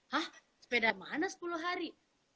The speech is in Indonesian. hah sepeda mana sepuluh hari